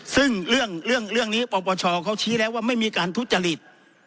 ซึ่งเรื่องนี้ปปชเขาชี้แล้วว่าไม่มีการทุจริต